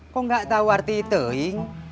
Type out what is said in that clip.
kok nggak tau arti tehing